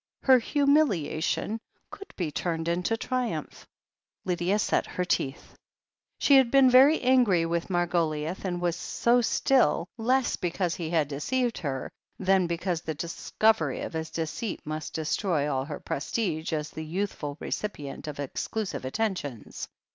Her humiliation could be turned into a triumph. Lydia set her teeth. She had been very angry with Margoliouth, and was so still — less because he had deceived her than because the discovery of his deceit must destroy all her prestige as the youthful recipient of exclusive attentions.